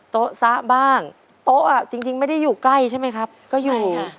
โต๊ะซะบ้างโต๊ะจริงไม่ได้อยู่ใกล้ใช่ไหมครับก็อยู่ค่ะ